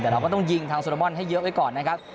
แต่เราก็ต้องยิงทางโซรามอนให้เยอะไว้ก่อนนะครับ